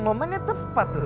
momennya tepat tuh